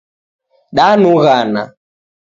Danughana